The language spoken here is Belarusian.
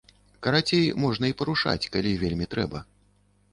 Карацей, можна і парушаць, калі вельмі трэба.